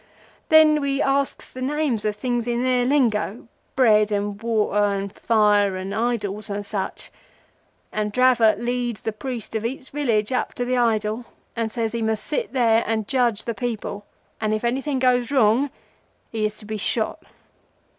Then we asks the names of things in their lingo—bread and water and fire and idols and such, and Dravot leads the priest of each village up to the idol, and says he must sit there and judge the people, and if anything goes wrong he is to be shot.